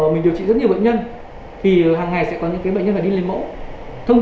mình điều trị rất nhiều bệnh nhân thì hàng ngày sẽ có những bệnh nhân phải đi lấy mẫu thông